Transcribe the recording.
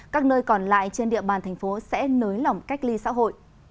các nơi còn lại trên địa bàn thành phố sẽ nới lỏng cách ly xã hội